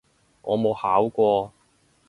我冇考過